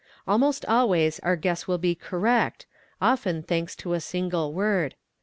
Almost always our guess will be correct, often thanks to a single word.